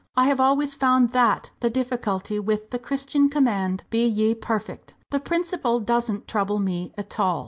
I have always found that the difficulty with the Christian command, 'Be ye perfect.' The principle doesn't trouble me at all!"